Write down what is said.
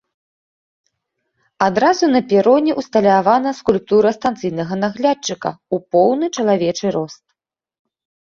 Адразу на пероне ўсталявана скульптура станцыйнага наглядчыка ў поўны чалавечы рост.